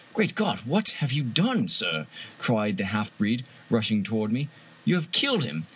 "Great God! what have you done, sir?" cried the half breed, rushing toward me. " You have killed him